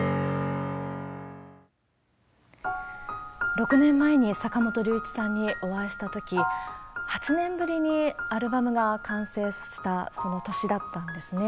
６年前に坂本龍一さんにお会いしたとき、８年ぶりにアルバムが完成した、その年だったんですね。